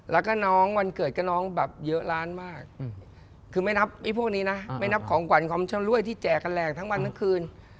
แล้วก็น้องวันเกิดก็น้องแบบเยอะล้านมากคือไม่นับพวกนี้นะไม่นับของขวัญของชำรวยที่แจกกันแหลกทั้งวันทั้งคืน